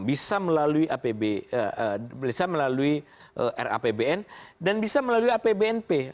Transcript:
bisa melalui rapbn dan bisa melalui apbnp